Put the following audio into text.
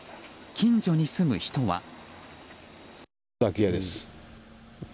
近所に住む人は。